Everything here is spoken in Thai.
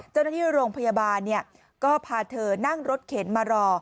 เจ้าหน้าที่โรงพยาบาลก็พาเธอนั่งรถเข็นมารอ